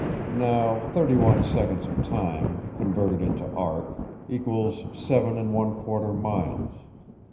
Now thirty one seconds of time, converted into arc, equals seven and one quarter miles.